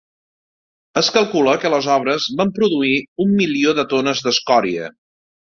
Es calcula que les obres van produir un milió de tones d'escòria.